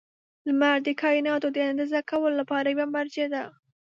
• لمر د کایناتو د اندازه کولو لپاره یوه مرجع ده.